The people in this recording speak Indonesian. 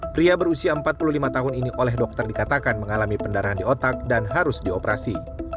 pria berusia empat puluh lima tahun ini oleh dokter dikatakan mengalami pendarahan di otak dan harus dioperasi